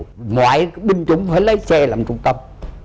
ngoại binh chúng phải lấy xe làm trung tâm